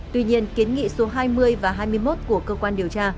tuy nhiên kiến nghị số hai mươi và hai mươi một của cơ quan điều tra